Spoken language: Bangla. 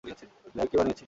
দেখ, কী বানিয়েছি।